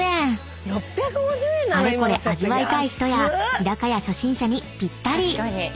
［あれこれ味わいたい人や日高屋初心者にぴったり］